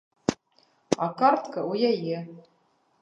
А картка ў яе.